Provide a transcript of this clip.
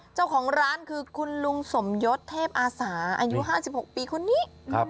เจ้าของร้านคือคุณลุงสมยศเทพอาสาอายุ๕๖ปีคนนี้